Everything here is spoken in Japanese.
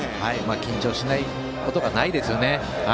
緊張しないことがないですよね。